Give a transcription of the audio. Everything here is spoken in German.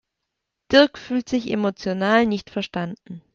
Dirk fühlt sich emotional nicht verstanden.